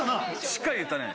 しっかり言ったね。